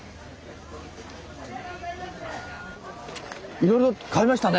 いろいろ買いましたね。